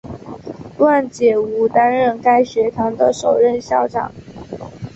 方解吾担任该学堂的首任校长。